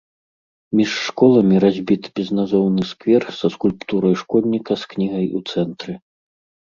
Між школамі разбіт безназоўны сквер са скульптурай школьніка з кнігай у цэнтры.